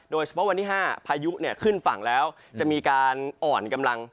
โดยเฉพาะวันที่๕พายุเนี่ยขึ้นฝั่งแล้วจะมีการอ่อนกำลัง